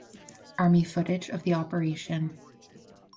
Army footage of the operation